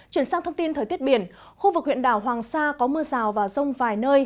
chuyển sang thông tin thời tiết biển khu vực huyện đảo hoàng sa có mưa rào và rông vài nơi